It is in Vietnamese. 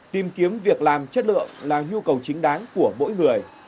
tìm kiếm việc làm chất lượng là nhu cầu chính đáng của mỗi người